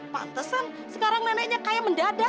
pantesan sekarang neneknya kayak mendadak